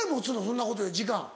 そんなことより時間。